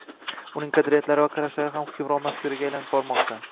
uning qadriyatlari va qarashlari ham hukmron mafkuraga aylanib bormoqda.